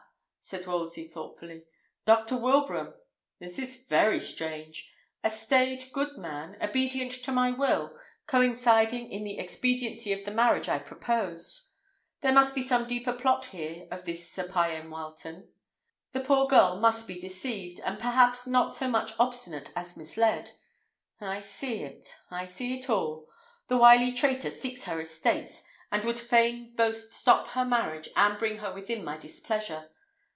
said Wolsey thoughtfully; "Dr. Wilbraham! This is very strange! A staid good man, obedient to my will, coinciding in the expediency of the marriage I proposed. There must be some deeper plot here of this Sir Payan Wileton. The poor girl must be deceived, and perhaps not so much obstinate as misled. I see it; I see it all. The wily traitor seeks her estates, and would fain both stop her marriage and bring her within my displeasure.